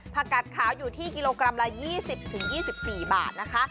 ผักกัดขาวอยู่ที่กิโลกรัมละ๒๐๒๔บาทนะคะ